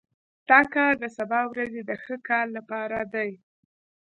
دا کار د سبا ورځې د ښه کار لپاره دی